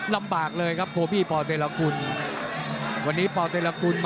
ลำบากเลยครับโคบี้ป่าวเตรลกุล